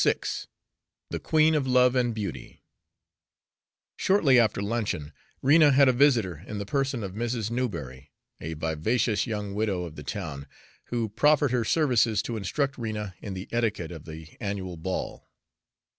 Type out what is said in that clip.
VI THE QUEEN OF LOVE AND BEAUTY Shortly after luncheon, Rena had a visitor in the person of Mrs. Newberry, a vivacious young widow of the town, who proffered her services to instruct Rena in the etiquette of the annual ball.